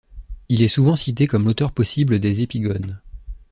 Il est souvent cité comme l'auteur possible des Epigones.